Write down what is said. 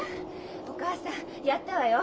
お母さんやったわよ。